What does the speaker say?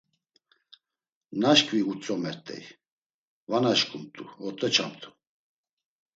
Naşǩvi utzomert̆ey, va naşǩumt̆u, ot̆oçamt̆u.